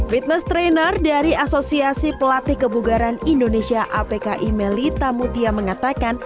fitness trainer dari asosiasi pelatih kebugaran indonesia apki melita mutia mengatakan